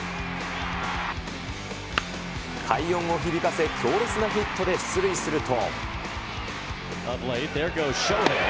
快音を響かせ、強烈なヒットで出塁すると。